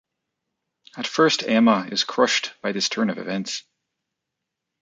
At first Emma is crushed by this turn of events.